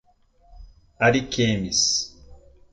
Ariquemes